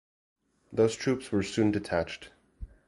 These troops were soon detached.